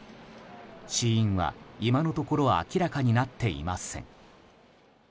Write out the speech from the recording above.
死因は今のところ明らかになっていません。